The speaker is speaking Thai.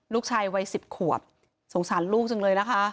ลูกชายวัย๑๐ขวบสงสารลูกจังเลยนะคะ